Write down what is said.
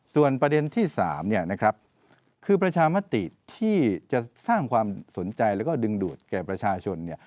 ส่วนประเด็นที่๓คือประชามติที่จะสร้างความสนใจแล้วก็ดึงดูดแก่ประชาชน